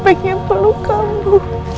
pengen peluk kamu